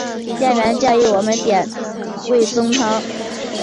店员建议我们点味噌汤